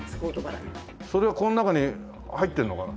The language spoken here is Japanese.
それはこの中に入ってるのかな？